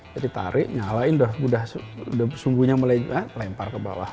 jadi tarik nyalain udah sunggunya mulai lempar ke bawah